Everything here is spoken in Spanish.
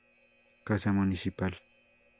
Casa Municipal.